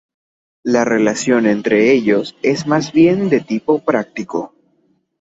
La relación entre ellos es más bien de tipo práctico.